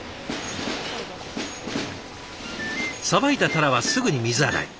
さばいた鱈はすぐに水洗い。